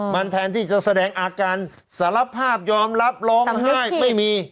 มันแทนที่จะแสดงอาการสารภาพยอมรับร้องไห้ไม่มี